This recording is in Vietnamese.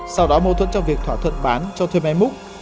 sau đó mâu thuẫn trong việc thỏa thuận bán cho thuê máy múc